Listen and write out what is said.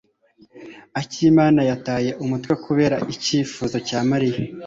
Akimana yataye umutwe kubera icyifuzo cya Mariya.